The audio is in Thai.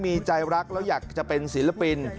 มีใจรักแล้วอยากจะเป็นศิลปิน